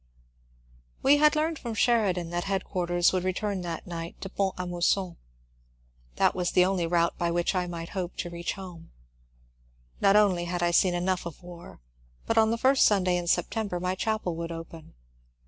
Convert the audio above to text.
We had learned from Sheridan that headquarters would return that night to Font arMousson. That was the only route by which I might hope to reach home. Not only had I seen enough of war, but on the first Sunday in September my chapel would open.